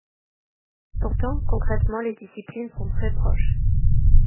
Pourtant, concrètement, les disciplines sont très proches.